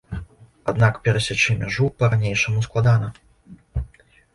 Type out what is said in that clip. Аднак перасячы мяжу па-ранейшаму складана.